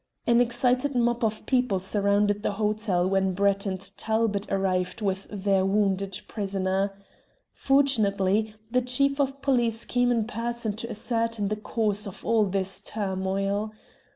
An excited mob of people surrounded the hotel when Brett and Talbot arrived with their wounded prisoner. Fortunately the Chief of Police came in person to ascertain the cause of all this turmoil.